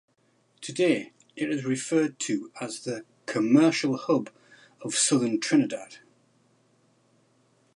Today it is referred to as the 'Commercial Hub of Southern Trinidad'.